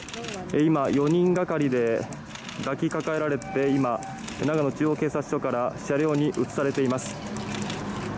４人がかりで抱きかかえられて長野中央警察署から車両に移されています。